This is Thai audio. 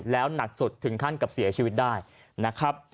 แล้วหนักสุดถึงขั้นกับเสียชีวิตได้นะครับ